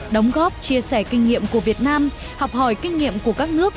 đóng góp chia sẻ kinh nghiệm của việt nam học hỏi kinh nghiệm của các nước